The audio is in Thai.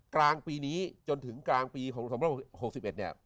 กลางปีนี้จนถึงกลางปีของ๒๖๑เนี่ย